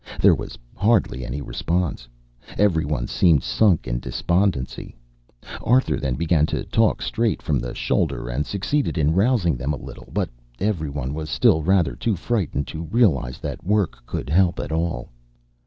There was hardly any response. Every one seemed sunk in despondency. Arthur then began to talk straight from the shoulder and succeeded in rousing them a little, but every one was still rather too frightened to realize that work could help at all.